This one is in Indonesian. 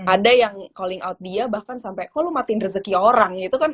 ada yang calling out dia bahkan sampai kok lu matiin rezeki orang gitu kan